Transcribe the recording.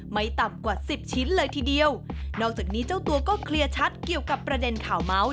ไม่ต่ำกว่าสิบชิ้นเลยทีเดียวนอกจากนี้เจ้าตัวก็เคลียร์ชัดเกี่ยวกับประเด็นข่าวเมาส์